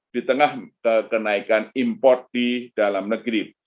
di tengah kenaikan import di dalam negeri